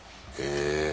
え。